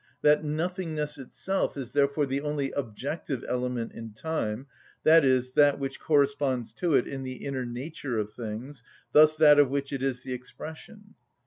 That nothingness itself is therefore the only objective element in time, i.e., that which corresponds to it in the inner nature of things, thus that of which it is the expression.